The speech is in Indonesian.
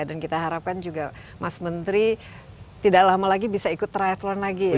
kita harapkan juga mas menteri tidak lama lagi bisa ikut triathlon lagi